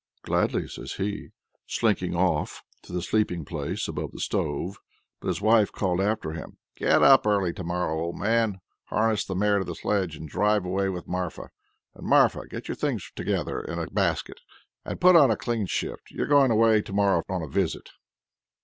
"Gladly," says he, slinking off (to the sleeping place) above the stove. But his wife called after him: "Get up early to morrow, old man, harness the mare to the sledge, and drive away with Marfa. And, Marfa, get your things together in a basket, and put on a clean shift; you're going away to morrow on a visit."